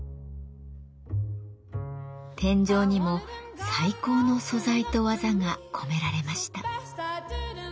天井にも最高の素材と技が込められました。